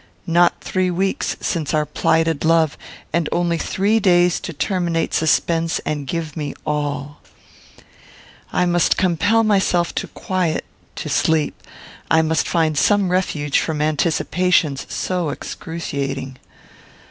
Not three weeks since our plighted love, and only three days to terminate suspense and give me all. I must compel myself to quiet; to sleep. I must find some refuge from anticipations so excruciating.